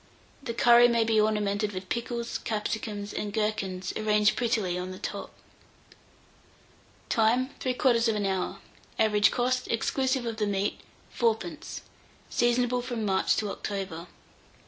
The curry may be ornamented with pickles, capsicums, and gherkins arranged prettily on the top. Time. 3/4 hour. Average cost, exclusive of the meat, 4d. Seasonable from March to October.